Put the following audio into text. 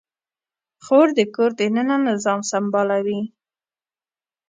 خور د کور دننه نظام سمبالوي.